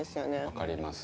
分かります。